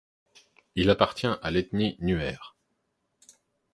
Il appartient à l'ethnie Nuer.